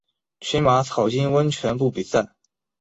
群马草津温泉部比赛。